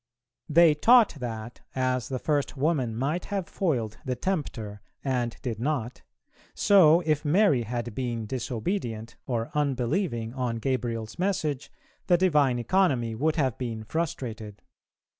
They taught that, as the first woman might have foiled the Tempter and did not, so, if Mary had been disobedient or unbelieving on Gabriel's message, the Divine Economy would have been frustrated.